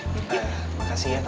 terima kasih keburu ya